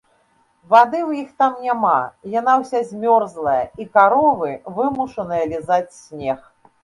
Вады ў іх там няма, яна ўся змёрзлая, і каровы вымушаныя лізаць снег.